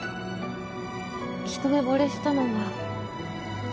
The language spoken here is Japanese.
一目ぼれしたのは